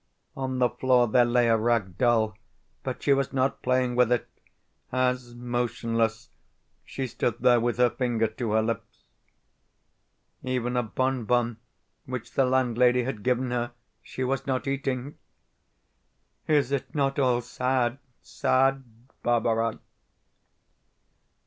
On the floor there lay a rag doll, but she was not playing with it as, motionless, she stood there with her finger to her lips. Even a bon bon which the landlady had given her she was not eating. Is it not all sad, sad, Barbara?